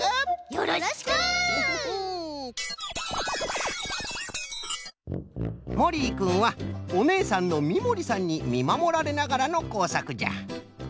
よろしく！もりいくんはおねえさんのみもりさんにみまもられながらのこうさくじゃ！